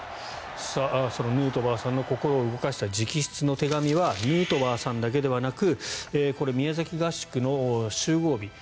そのヌートバーさんの心を動かした直筆の手紙はヌートバーさんだけではなくこれ、宮崎合宿の集合日。